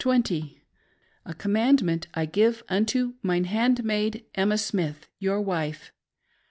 Verily I say unto you, a commandment I give unto mine handmaid Emma Smith your wife